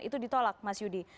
itu ditolak mas yudi